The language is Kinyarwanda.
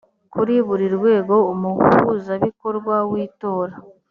kuri buri rwego umuhuzabikorwa w itora